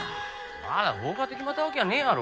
まだ放火って決まったわけやねえやろ。